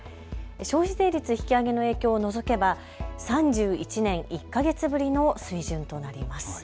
消費税率引き上げの影響を除けば３１年１か月ぶりの水準となります。